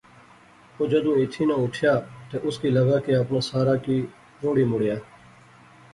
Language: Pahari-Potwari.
او جدوں ایتھِیں ناں اٹھیا تہ اس کی لغا کہ اپنا سارا کی روڑی مڑیا